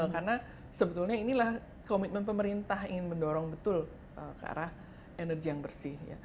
karena sebetulnya inilah komitmen pemerintah ingin mendorong betul ke arah energi yang bersih